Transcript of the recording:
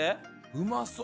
うまそう。